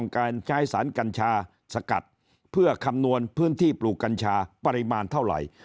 การใช้สารกัญชาสกัดเพื่อคำนวณพื้นที่ปลูกกัญชาปริมาณเท่าไหร่